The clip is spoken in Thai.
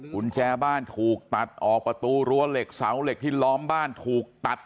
กุญแจบ้านถูกตัดออกประตูรั้วเหล็กเสาเหล็กที่ล้อมบ้านถูกตัด